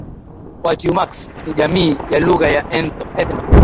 WaTyumrks ni jamii ya lugha ya ethno